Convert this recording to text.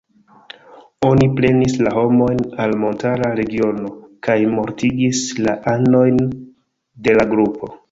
Oni prenis la homojn al montara regiono kaj mortigis la anojn de la grupo.